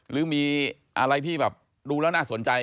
หรือมีอะไรที่แบบดูแล้วน่าสนใจ